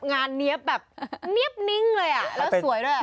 เนี๊ยบแบบเนี๊ยบนิ่งเลยอ่ะแล้วสวยด้วย